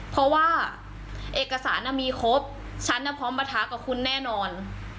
เพราะว่าเอกสารมีครบฉันพร้อมประทะกับคุณแน่นอน